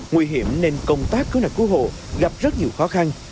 nguy hiểm nên công tác cứu nạn cứu hộ gặp rất nhiều khó khăn